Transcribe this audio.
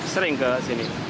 sering ke sini